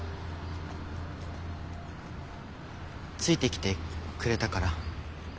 ついてきてくれたから。